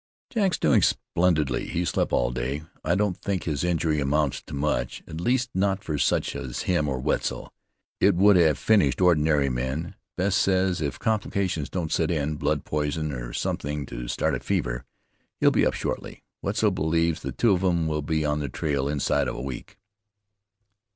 "Jack's doing splendidly. He slept all day. I don't think his injury amounts to much, at least not for such as him or Wetzel. It would have finished ordinary men. Bess says if complications don't set in, blood poison or something to start a fever, he'll be up shortly. Wetzel believes the two of 'em will be on the trail inside of a week."